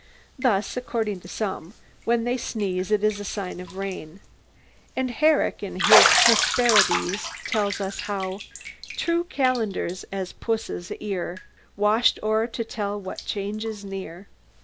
Thus, according to some, when they sneeze it is a sign of rain; and Herrick, in his 'Hesperides,' tells us how: True calendars as pusses eare, Wash't o're to tell what change is neare.